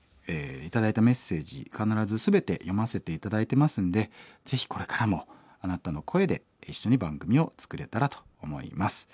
頂いたメッセージ必ず全て読ませて頂いてますんでぜひこれからもあなたの声で一緒に番組を作れたらと思います。